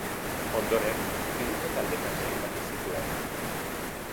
Ondoren, hiruko taldetan sailkatu zituen.